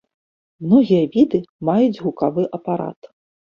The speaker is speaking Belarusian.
Многія віды маюць гукавы апарат.